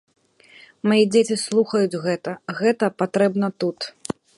Мае дзеці слухаюць гэта, гэта патрэбна тут.